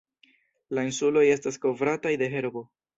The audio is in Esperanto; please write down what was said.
La insuloj estas kovrataj de herbo.